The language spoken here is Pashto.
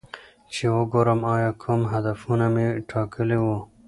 چې وګورم ایا کوم هدفونه مې ټاکلي وو